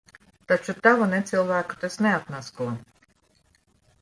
Taču tavu necilvēku tas neatmasko.